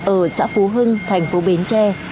ở xã phú hưng thành phố bến tre